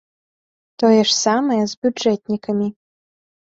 Тое ж самае з бюджэтнікамі.